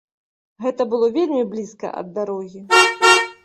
Гэта было вельмі блізка ад дарогі.